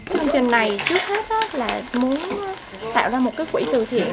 chương trình này trước hết là muốn tạo ra một quỹ từ thiện